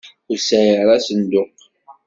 Ur sɛiɣ ara asenduq.